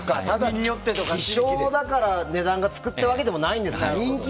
希少だから値段がつくというわけではないんですか。